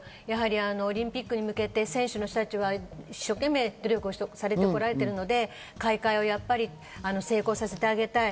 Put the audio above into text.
オリンピックに向けて、選手の人たちは一生懸命努力をされて来られたので、大会を成功させてあげたい。